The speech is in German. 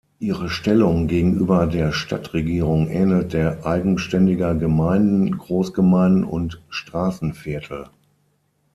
Ihre Stellung gegenüber der Stadtregierung ähnelt der eigenständiger Gemeinden, Großgemeinden und Straßenviertel.